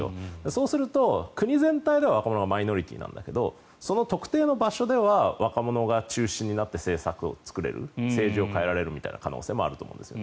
そうすると国全体ではマイノリティーだけどその特定の場所では若者が中心になって政策を作れる政治を変えられるという可能性もあると思うんですよ。